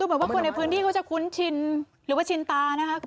เหมือนว่าคนในพื้นที่เขาจะคุ้นชินหรือว่าชินตานะคะ